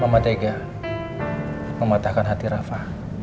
mama tega mematahkan hati rafa